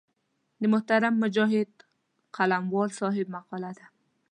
د محترم مجاهد قلموال صاحب مقاله ده.